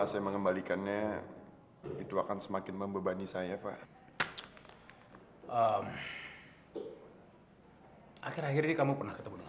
sampai jumpa di video selanjutnya